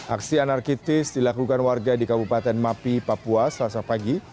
aksi anarkitis dilakukan warga di kabupaten mapi papua selasa pagi